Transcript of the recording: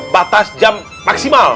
batas jam maksimal